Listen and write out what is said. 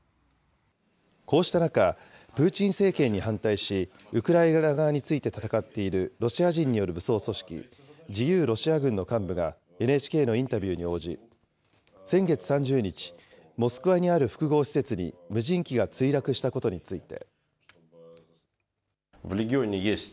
こうした中、プーチン政権に反対し、ウクライナ側に付いて戦っているロシア人による武装組織、自由ロシア軍の幹部がＮＨＫのインタビューに応じ、先月３０日、モスクワにある複合施設に無人機が墜落したことについて。